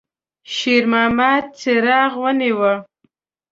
شېرمحمد څراغ ونیوه.